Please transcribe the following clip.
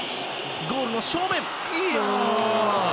ゴール正面！